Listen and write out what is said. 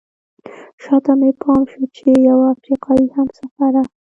شاته مې پام شو چې یوه افریقایي همسفره.